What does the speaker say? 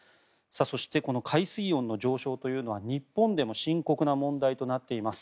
そしてこの海水温の上昇というのは日本でも深刻な問題となっています。